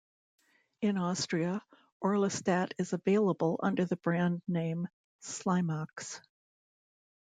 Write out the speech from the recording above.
In Austria, orlistat is available under the brand name Slimox.